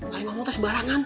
hari ngomong teh sebarangan